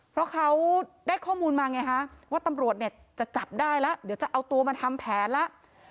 เพราะเขาได้ข้อมูลมาไงฮะว่าตำรวจเนี่ยจะจับได้แล้วเดี๋ยวจะเอาตัวมาทำแผนแล้ว